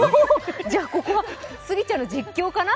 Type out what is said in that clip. じゃ、ここはスギちゃんの実況かな。